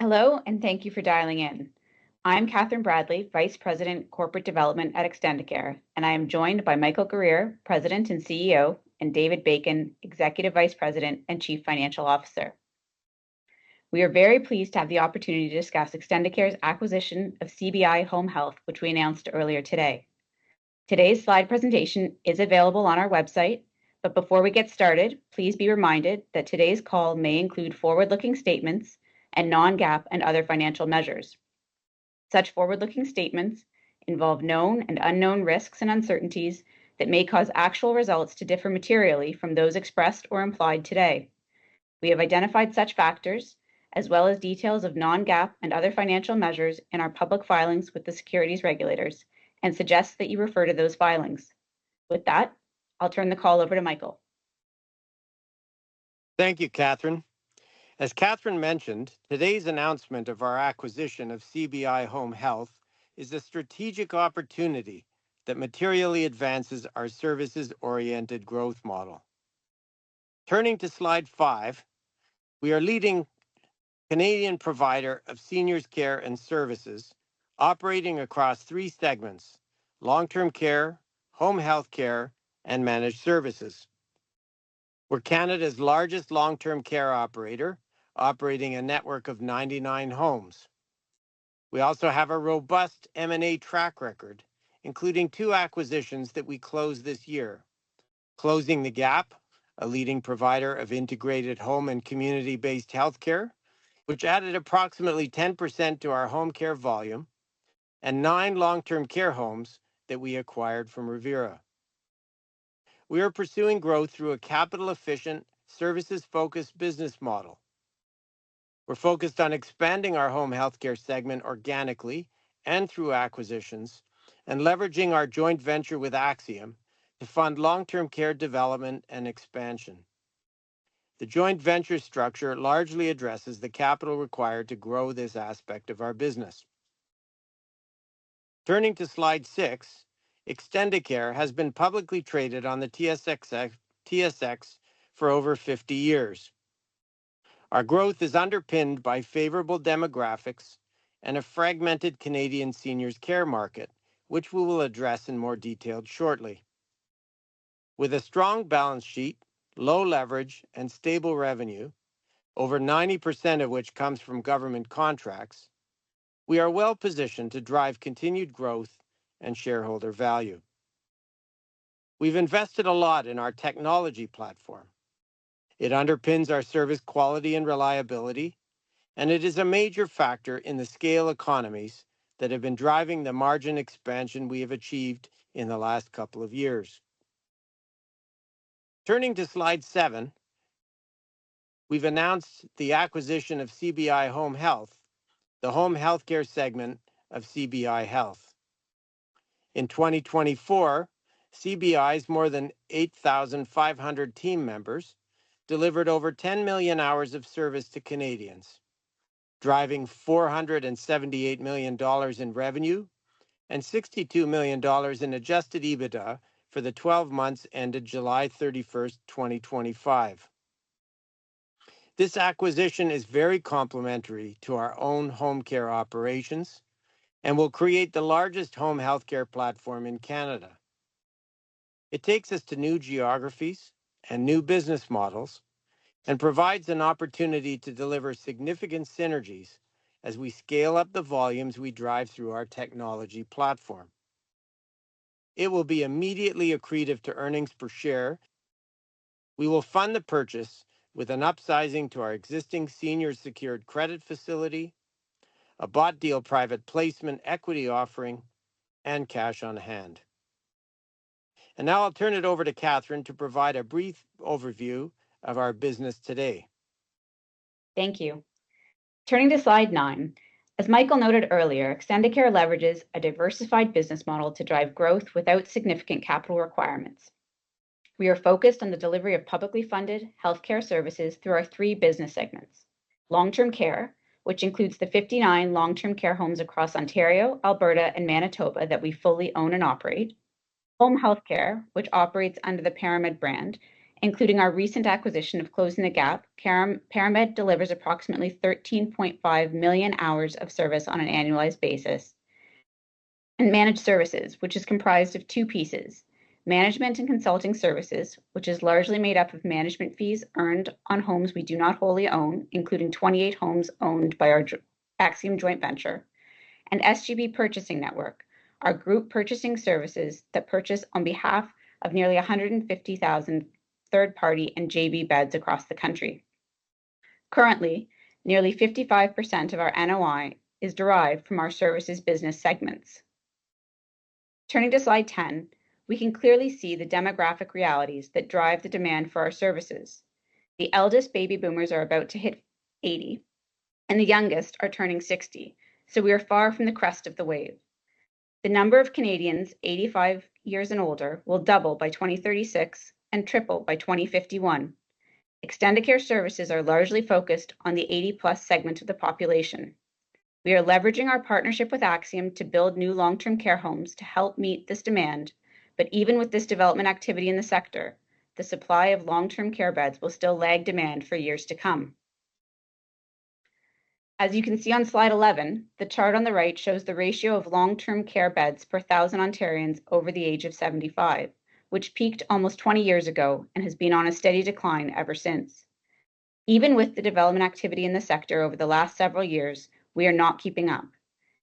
Hello, and thank you for dialing in. I'm Kathryn Bradley, Vice President, Corporate Development at Extendicare, and I am joined by Michael Guerriere, President and CEO, and David Bacon, Executive Vice President and Chief Financial Officer. We are very pleased to have the opportunity to discuss Extendicare's acquisition of CBI Home Health, which we announced earlier today. Today's slide presentation is available on our website, but before we get started, please be reminded that today's call may include forward-looking statements and Non-GAAP and other financial measures. Such forward-looking statements involve known and unknown risks and uncertainties that may cause actual results to differ materially from those expressed or implied today. We have identified such factors, as well as details of Non-GAAP and other financial measures in our public filings with the securities regulators, and suggest that you refer to those filings. With that, I'll turn the call over to Michael. Thank you, Kathryn. As Kathryn mentioned, today's announcement of our acquisition of CBI Home Health is a strategic opportunity that materially advances our services-oriented growth model. Turning to slide five, we are a leading Canadian provider of seniors' care and services operating across three segments: long-term care, home health care, and managed services. We're Canada's largest long-term care operator, operating a network of 99 homes. We also have a robust M&A track record, including two acquisitions that we closed this year. Closing the Gap, a leading provider of integrated home and community-based health care, which added approximately 10% to our home care volume, and nine long-term care homes that we acquired from Revera. We are pursuing growth through a capital-efficient, services-focused business model. We're focused on expanding our home health care segment organically and through acquisitions, and leveraging our joint venture with Axium to fund long-term care development and expansion. The joint venture structure largely addresses the capital required to grow this aspect of our business. Turning to slide six, Extendicare has been publicly traded on the TSX for over 50 years. Our growth is underpinned by favorable demographics and a fragmented Canadian seniors' care market, which we will address in more detail shortly. With a strong balance sheet, low leverage, and stable revenue, over 90% of which comes from government contracts, we are well positioned to drive continued growth and shareholder value. We've invested a lot in our technology platform. It underpins our service quality and reliability, and it is a major factor in the scale economies that have been driving the margin expansion we have achieved in the last couple of years. Turning to slide seven, we've announced the acquisition of CBI Home Health, the home health care segment of CBI Health. In 2024, CBI's more than 8,500 team members delivered over 10 million hours of service to Canadians, driving 478 million dollars in revenue and 62 million dollars in adjusted EBITDA for the 12 months ended July 31, 2025. This acquisition is very complementary to our own home care operations and will create the largest home health care platform in Canada. It takes us to new geographies and new business models and provides an opportunity to deliver significant synergies as we scale up the volumes we drive through our technology platform. It will be immediately accretive to earnings per share. We will fund the purchase with an upsizing to our existing seniors' secured credit facility, a bought deal private placement equity offering, and cash on hand. Now I'll turn it over to Kathryn to provide a brief overview of our business today. Thank you. Turning to slide nine, as Mike noted earlier, Extendicare leverages a diversified business model to drive growth without significant capital requirements. We are focused on the delivery of publicly funded health care services through our three business segments: long-term care, which includes the 59 long-term care homes across Ontario, Alberta, and Manitoba that we fully own and operate; home health care, which operates under the ParaMed brand, including our recent acquisition of Closing the Gap. ParaMed delivers approximately 13.5 million hours of service on an annualized basis; and managed services, which is comprised of two pieces: management and consulting services, which is largely made up of management fees earned on homes we do not wholly own, including 28 homes owned by our Axium joint venture; and SGP Purchasing Partner Network, our group purchasing services that purchase on behalf of nearly 150,000 third-party and JV beds across the country. Currently, nearly 55% of our NOI is derived from our services business segments. Turning to slide 10, we can clearly see the demographic realities that drive the demand for our services. The eldest baby boomers are about to hit 80, and the youngest are turning 60, so we are far from the crest of the wave. The number of Canadians 85 years and older will double by 2036 and triple by 2051. Extendicare services are largely focused on the 80-plus segment of the population. We are leveraging our partnership with Axium to build new long-term care homes to help meet this demand, but even with this development activity in the sector, the supply of long-term care beds will still lag demand for years to come. As you can see on slide 11, the chart on the right shows the ratio of long-term care beds per 1,000 Ontarians over the age of 75, which peaked almost 20 years ago and has been on a steady decline ever since. Even with the development activity in the sector over the last several years, we are not keeping up.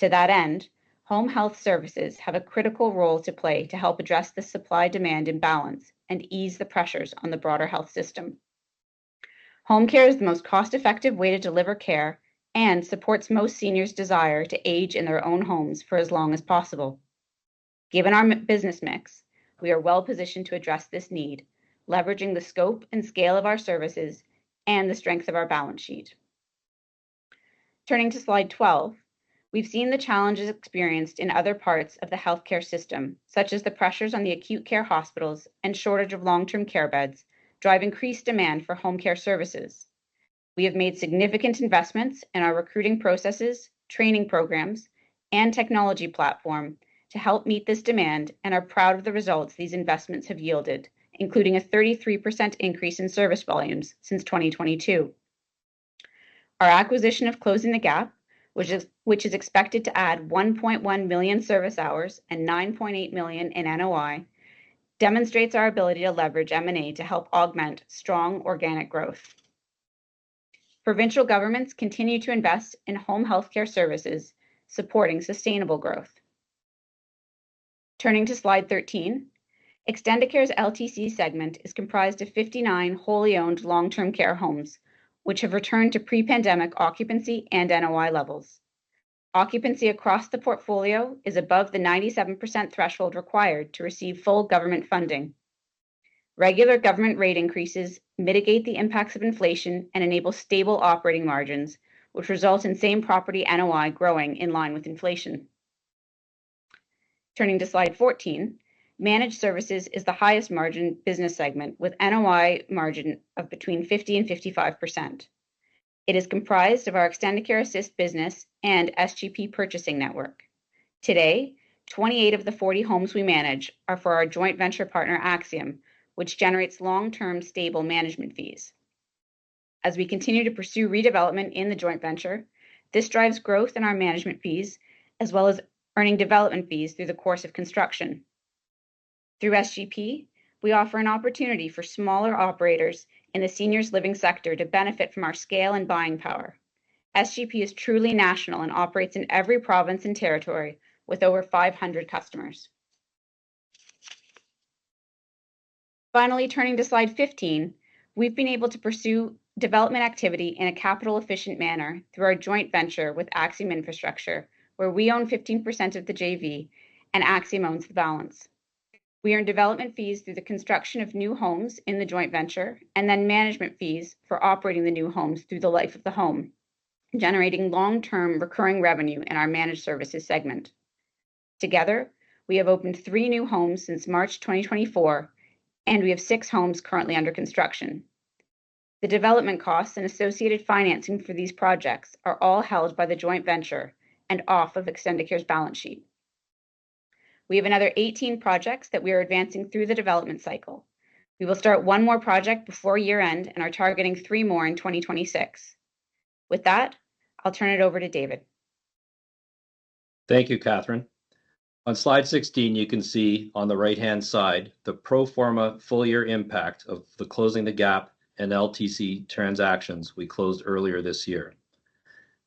To that end, home health services have a critical role to play to help address the supply-demand imbalance and ease the pressures on the broader health system. Home care is the most cost-effective way to deliver care and supports most seniors' desire to age in their own homes for as long as possible. Given our business mix, we are well positioned to address this need, leveraging the scope and scale of our services and the strength of our balance sheet. Turning to slide 12, we've seen the challenges experienced in other parts of the health care system, such as the pressures on the acute care hospitals and shortage of long-term care beds drive increased demand for home care services. We have made significant investments in our recruiting processes, training programs, and technology platform to help meet this demand and are proud of the results these investments have yielded, including a 33% increase in service volumes since 2022. Our acquisition of Closing the Gap, which is expected to add 1.1 million service hours and 9.8 million in NOI, demonstrates our ability to leverage M&A to help augment strong organic growth. Provincial governments continue to invest in home health care services, supporting sustainable growth. Turning to slide 13, Extendicare's LTC segment is comprised of 59 wholly owned long-term care homes, which have returned to pre-pandemic occupancy and NOI levels. Occupancy across the portfolio is above the 97% threshold required to receive full government funding. Regular government rate increases mitigate the impacts of inflation and enable stable operating margins, which result in same property NOI growing in line with inflation. Turning to slide 14, managed services is the highest margin business segment with NOI margin of between 50-55%. It is comprised of our Extendicare Assist business and SGP Purchasing Network. Today, 28 of the 40 homes we manage are for our joint venture partner Axium, which generates long-term stable management fees. As we continue to pursue redevelopment in the joint venture, this drives growth in our management fees as well as earning development fees through the course of construction. Through SGP, we offer an opportunity for smaller operators in the seniors' living sector to benefit from our scale and buying power. SGP is truly national and operates in every province and territory with over 500 customers. Finally, turning to slide 15, we have been able to pursue development activity in a capital-efficient manner through our joint venture with Axium Infrastructure, where we own 15% of the JV and Axium owns the balance. We earn development fees through the construction of new homes in the joint venture and then management fees for operating the new homes through the life of the home, generating long-term recurring revenue in our managed services segment. Together, we have opened three new homes since March 2024, and we have six homes currently under construction. The development costs and associated financing for these projects are all held by the joint venture and off of Extendicare's balance sheet. We have another 18 projects that we are advancing through the development cycle. We will start one more project before year-end and are targeting three more in 2026. With that, I'll turn it over to David. Thank you, Kathyrn. On slide 16, you can see on the right-hand side the pro forma full-year impact of the Closing the Gap and long-term care transactions we closed earlier this year.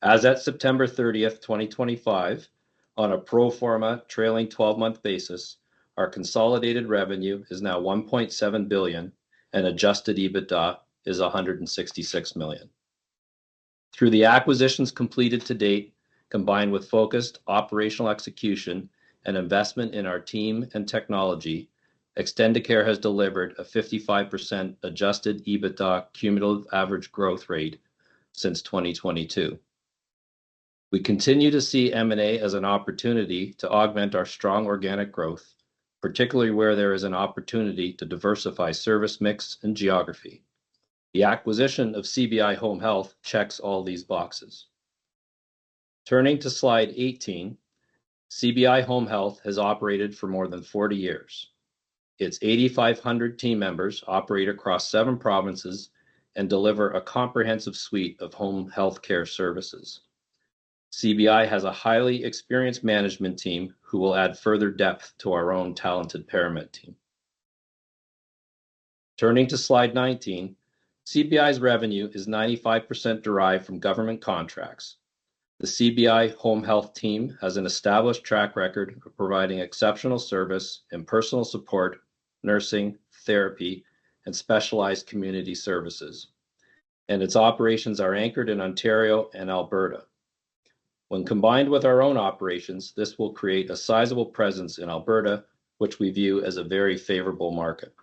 As at September 30, 2025, on a pro forma trailing 12-month basis, our consolidated revenue is now 1.7 billion and Adjusted EBITDA is 166 million. Through the acquisitions completed to date, combined with focused operational execution and investment in our team and technology, Extendicare has delivered a 55% Adjusted EBITDA cumulative average growth rate since 2022. We continue to see M&A as an opportunity to augment our strong organic growth, particularly where there is an opportunity to diversify service mix and geography. The acquisition of CBI Home Health checks all these boxes. Turning to slide 18, CBI Home Health has operated for more than 40 years. Its 8,500 team members operate across seven provinces and deliver a comprehensive suite of home health care services. CBI has a highly experienced management team who will add further depth to our own talented ParaMed team. Turning to slide 19, CBI's revenue is 95% derived from government contracts. The CBI Home Health team has an established track record of providing exceptional service and personal support, nursing, therapy, and specialized community services, and its operations are anchored in Ontario and Alberta. When combined with our own operations, this will create a sizable presence in Alberta, which we view as a very favorable market.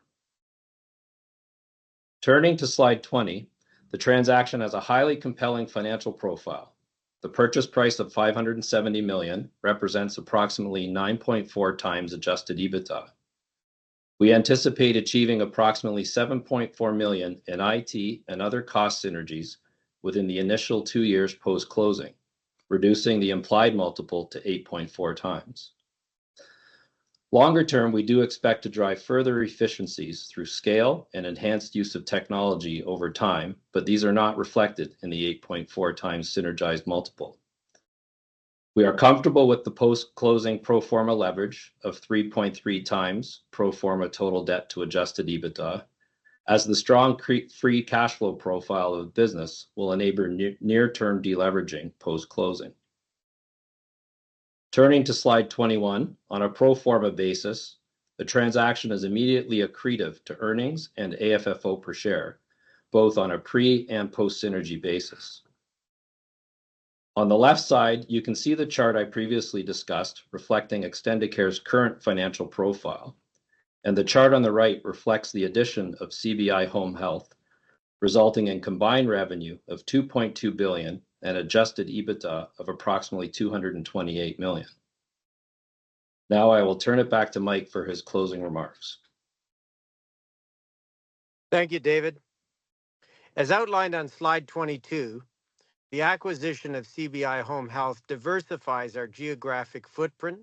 Turning to slide 20, the transaction has a highly compelling financial profile. The purchase price of 570 million represents approximately 9.4 times Adjusted EBITDA. We anticipate achieving approximately 7.4 million in IT and other cost synergies within the initial two years post-closing, reducing the implied multiple to 8.4 times. Longer term, we do expect to drive further efficiencies through scale and enhanced use of technology over time, but these are not reflected in the 8.4 times synergized multiple. We are comfortable with the post-closing pro forma leverage of 3.3 times pro forma total debt to Adjusted EBITDA, as the strong free cash flow profile of the business will enable near-term deleveraging post-closing. Turning to slide 21, on a pro forma basis, the transaction is immediately accretive to earnings and AFFO per share, both on a pre and post-synergy basis. On the left side, you can see the chart I previously discussed reflecting Extendicare's current financial profile, and the chart on the right reflects the addition of CBI Home Health, resulting in combined revenue of 2.2 billion and Adjusted EBITDA of approximately 228 million. Now I will turn it back to Mike for his closing remarks. Thank you, David. As outlined on slide 22, the acquisition of CBI Home Health diversifies our geographic footprint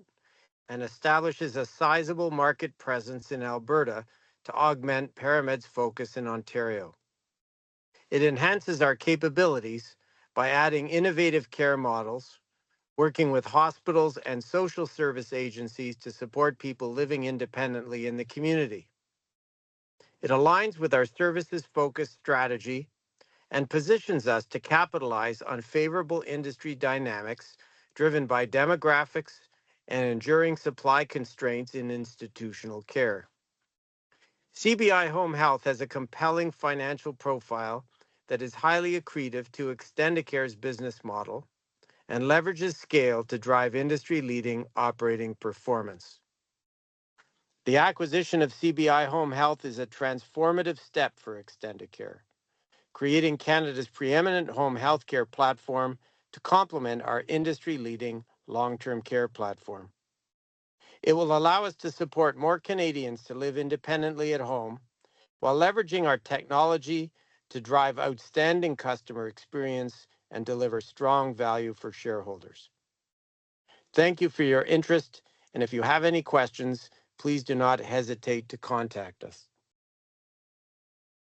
and establishes a sizable market presence in Alberta to augment ParaMed's focus in Ontario. It enhances our capabilities by adding innovative care models, working with hospitals and social service agencies to support people living independently in the community. It aligns with our services-focused strategy and positions us to capitalize on favorable industry dynamics driven by demographics and enduring supply constraints in institutional care. CBI Home Health has a compelling financial profile that is highly accretive to Extendicare's business model and leverages scale to drive industry-leading operating performance. The acquisition of CBI Home Health is a transformative step for Extendicare, creating Canada's preeminent home health care platform to complement our industry-leading long-term care platform. It will allow us to support more Canadians to live independently at home while leveraging our technology to drive outstanding customer experience and deliver strong value for shareholders. Thank you for your interest, and if you have any questions, please do not hesitate to contact us.